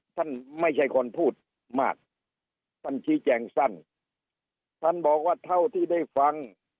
ท่านไม่ใช่คนพูดมากท่านชี้แจงสั้นท่านบอกว่าเท่าที่ได้ฟัง